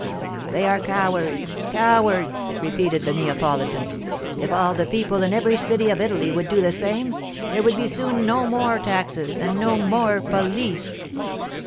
'They are cowards—cowards,' repeated the Neapolitan. 'If all the people in every city of Italy would do the same, there would soon be no more taxes and no more police.